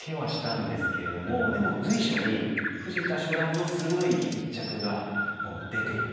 でも随所に藤田初段の鋭い一着がもう出ていて。